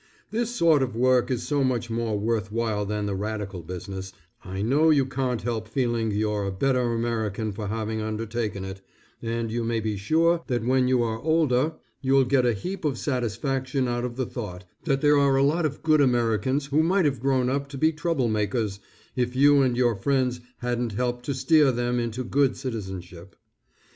This sort of work is so much more worth while than the radical business, I know you can't help feeling you're a better American for having undertaken it, and you may be sure that when you are older, you'll get a heap of satisfaction out of the thought, that there are a lot of good Americans who might have grown up to be trouble makers, if you and your friends hadn't helped to steer them into good citizenship.